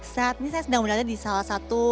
saat ini saya sedang berada di salah satu